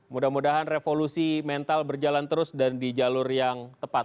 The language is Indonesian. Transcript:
mudah mudahan revolusi mental berjalan terus dan di jalur yang tepat